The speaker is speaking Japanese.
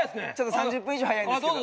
３０分以上早いんですけど。